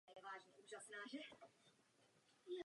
Zcela vzácně jsou hlášeny kontakty z otevřeného oceánu.